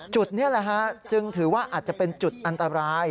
จุดนี้แหละฮะจึงถือว่าอาจจะเป็นจุดอันตราย